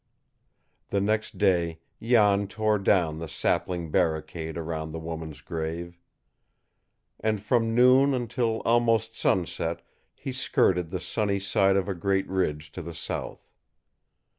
The next day Jan tore down the sapling barricade around the woman's grave, and from noon until almost sunset he skirted the sunny side of a great ridge to the south.